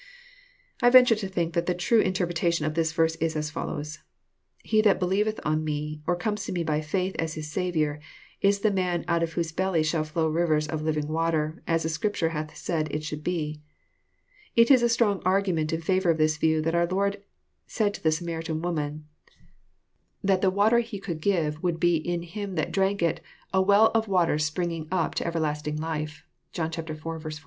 I venture to think that the true interpretation of the verse is as follows :—" He that believeth on me, or comes to me by faith as his Saviour, is the man out of whose belly shall flow rivers of living water, as the Scripture hath said it should be." It is a strong argument in favour of this view that our Lord said to the Samaritan woman, that the water He could give would be / JOHN, CHAP, vn, 47 In him that drank it a well of water sprin^iug ap into ever* lastiug life." (John iv. 14.)